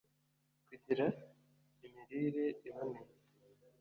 kugira imirire iboneye